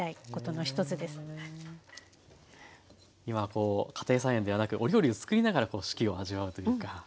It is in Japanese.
今家庭菜園ではなくお料理を作りながら四季を味わうというか。